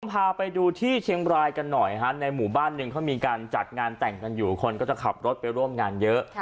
พาไปดูที่เชียงบรายกันหน่อยฮะในหมู่บ้านหนึ่งเขามีการจัดงานแต่งกันอยู่คนก็จะขับรถไปร่วมงานเยอะ